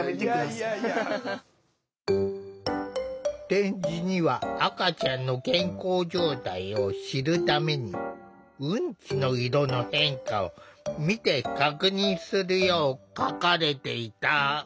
点字には赤ちゃんの健康状態を知るためにうんちの色の変化を見て確認するよう書かれていた。